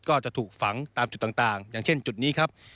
ก็จะถูกฝังตามจุดต่างอย่างเช่นจุดนี้ครับ